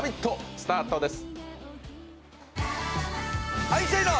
スタートです。